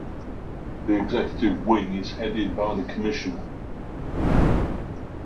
The executive wing is headed by the Commissioner.